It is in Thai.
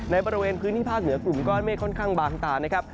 ในบริเวณพื้นที่ภาคเหนือกลุ่มก้อนเมฆค่อนข้างบางตานะครับ